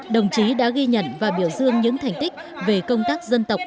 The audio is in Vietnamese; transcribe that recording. đồng chí đã ghi nhận và biểu dương những thành tích về công tác dân tộc